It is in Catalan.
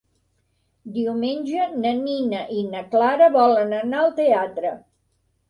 Diumenge na Nina i na Clara volen anar al teatre.